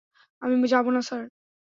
আমি যাবো না, স্যার।